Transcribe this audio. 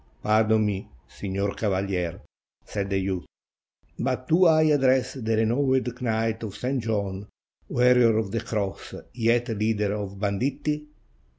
"Pardon me, signor cavaher," said the youth; "but do I address the renowned Knight of St. John, warrior of the Cross, yet leader of banditti?"